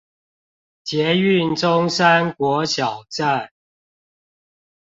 捷運中山國小站